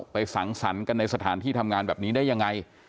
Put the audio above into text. สังสรรค์กันในสถานที่ทำงานแบบนี้ได้ยังไง